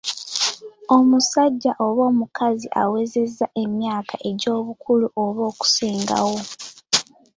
Omusajja oba omukazi awezezza emyaka egy'obukulu oba okusingawo.